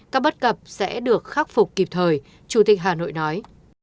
các bất cập sẽ được khắc phục kịp thời chủ tịch hà nội nói